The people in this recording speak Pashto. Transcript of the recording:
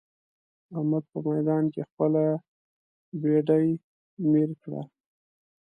احمد په ميدان کې خپله بېډۍ مير کړه.